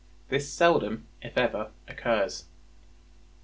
—This seldom, if ever, occurs.